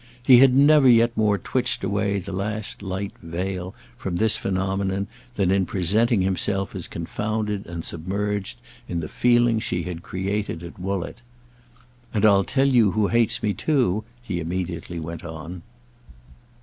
He had never yet more twitched away the last light veil from this phenomenon than in presenting himself as confounded and submerged in the feeling she had created at Woollett. "And I'll tell you who hates me too," he immediately went on.